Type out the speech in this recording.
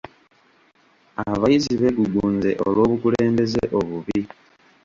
Abayizi beegugunze olw'obukulembeze obubi.